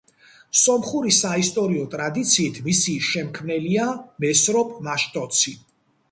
სომხური საისტორიო ტრადიციით მისი შემქმნელია მესროპ მაშტოცი.